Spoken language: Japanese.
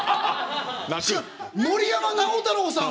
森山直太朗さん